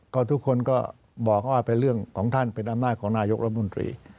ก็ทุกคนก็บอกว่าเป็นเรื่องของท่านเป็นอำนาจของนายกรัฐมนตรี